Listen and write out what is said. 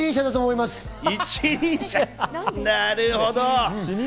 なるほど！